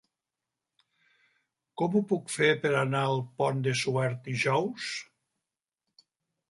Com ho puc fer per anar al Pont de Suert dijous?